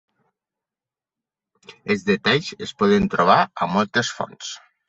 Els detalls es poden trobar a moltes fonts.